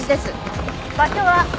「場所は？」